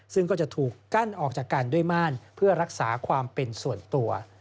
ซึ่งก็จะถูกกั้นออกจากกันด้วยม่านเพื่อรักษาความเป็นส่วนตัว